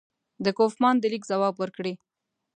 د کوفمان د لیک ځواب ورکړي.